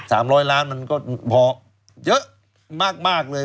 ๓๐๐ล้านบาทมันก็เยอะมากเลย